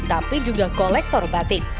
tapi juga kolektor batik